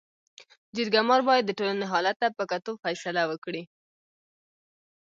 جرګه مار باید د ټولني حالت ته په کتو فيصله وکړي.